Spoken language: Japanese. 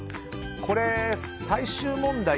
これ、最終問題